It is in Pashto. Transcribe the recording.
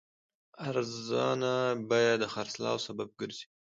ارزانه بیه د خرڅلاو سبب ګرځي.